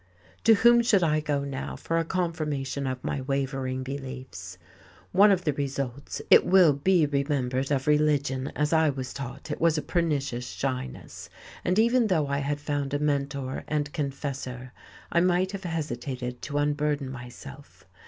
To whom should I go now for a confirmation of my wavering beliefs? One of the results it will be remembered of religion as I was taught it was a pernicious shyness, and even though I had found a mentor and confessor, I might have hesitated to unburden myself.